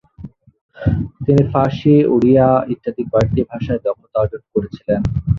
তিনি ফারসি, ওড়িয়া ইত্যাদি কয়েকটি ভাষায় দক্ষতা অর্জন করেছিলেন।